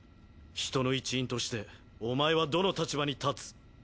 ヒトの一員としてお前はどの立場に立つ。